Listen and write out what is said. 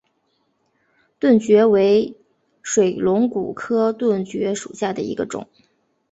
盾蕨为水龙骨科盾蕨属下的一个种。